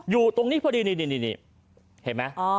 อยู่ตรงนี้พอดีนี่เห็นไหม